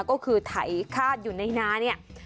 ก็คือไถคาดอยู่ในนาเนี่ย